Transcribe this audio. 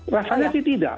rasanya sih tidak